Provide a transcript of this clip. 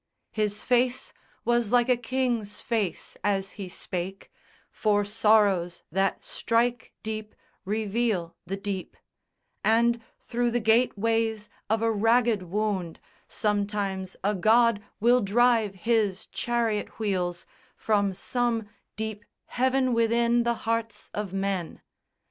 His face was like a king's face as he spake, For sorrows that strike deep reveal the deep; And through the gateways of a raggèd wound Sometimes a god will drive his chariot wheels From some deep heaven within the hearts of men.